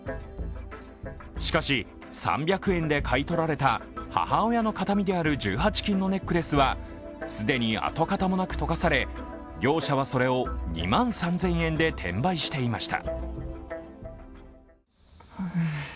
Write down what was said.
しかし、３００円で買い取られた母親の形見である１８金のネックレスは、既に跡形もなく溶かされ、業者はそれを２万３０００円で転売していました。